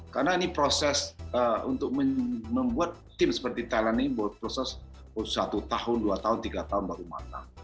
karena ini proses untuk membuat tim seperti thailand ini proses satu tahun dua tahun tiga tahun baru matang